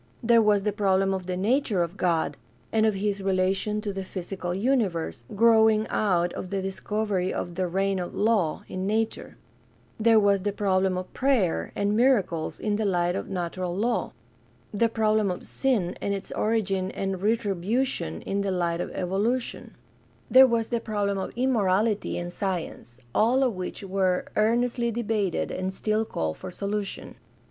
There was the problem of the nature of God and of his relation to the physical universe, growing out of the discovery of "the reign of law" in nature; there was the problem of prayer and miracles in the light of natural law; the problem of sin and its origin and retribution in the light of evolution; there was the THE DEVELOPMENT OF MODERN CHRISTIANITY 451 problem of immortality and science — all of which were ear nestly debated and still call for solution.